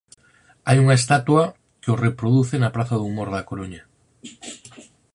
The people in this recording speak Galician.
Hai unha estatua que o reproduce na praza do Humor da Coruña.